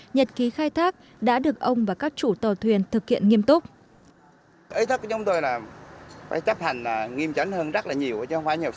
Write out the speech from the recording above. nhật ký khai thác đã được ông và các chủ tàu thuyền thực hiện nghiêm túc